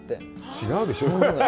違うでしょう？